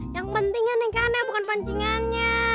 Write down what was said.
yang pentingnya nih kan ya bukan pancingannya